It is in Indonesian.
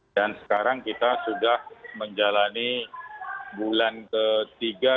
dan sekarang kita sudah menjalani bulan ketiga